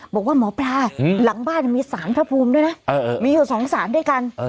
บอกว่าหมอปลาหลังบ้านมีสารพระภูมิด้วยนะมีอยู่๒สารด้วยกัน